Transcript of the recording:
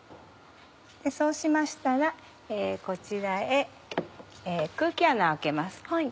そうしましたらこちらへ空気穴を開けます。